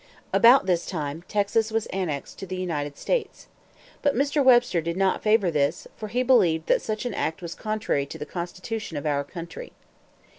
About this time, Texas was annexed to the United States. But Mr. Webster did not favor this, for he believed that such an act was contrary to the Constitution of our country.